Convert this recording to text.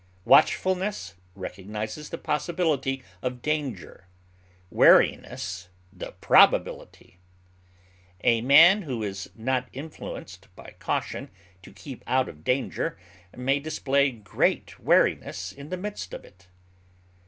Watchfulness recognizes the possibility of danger, wariness the probability. A man who is not influenced by caution to keep out of danger may display great wariness in the midst of it.